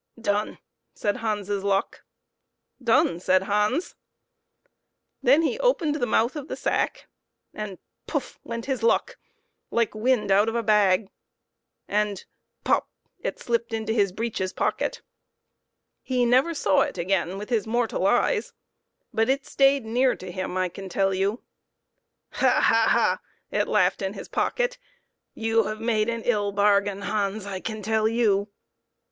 " Done !" said Hans's luck. "Done!" said Hans. Then he opened the mouth of the sack, and puff ! went his luck, like wind out of a bag, and pop ! it slipped into his breeches pocket. He never saw it again with his mortal eyes, but it stayed near to him, I can tell you. "Ha! ha! ha!" it laughed in his pocket, "you have made an ill bargain, Hans, I can tell you